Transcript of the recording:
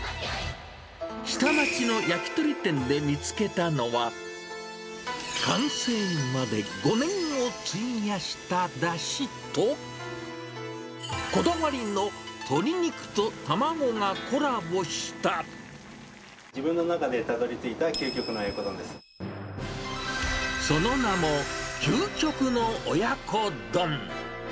下町の焼き鳥店で見つけたのは、完成まで５年を費やしただしと、自分の中でたどりついた究極その名も、究極の親子丼。